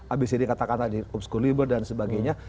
abcd katakan tadi hukum skuliber dan sebagainya